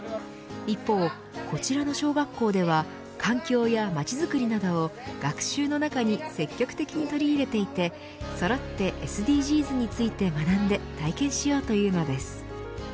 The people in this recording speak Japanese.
一方、こちらの小学校では環境やまちづくりなど学習の中に積極的に取り入れていってそろってＳＤＧｓについて学んで体験しようというのです。